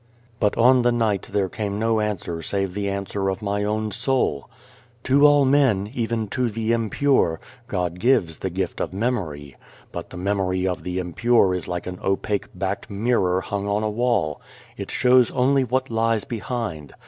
But on the night there came no answer save the answer of my own soul : "To all men, even to the impure, God gives the gift of memory. But the memory of the impure is like an opaque backed mirror hung on a wall. It shows only what lies behind.